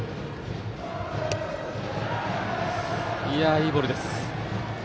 いいボールです。